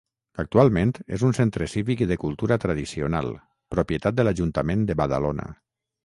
Actualment és un centre cívic i de cultura tradicional, propietat de l'Ajuntament de Badalona.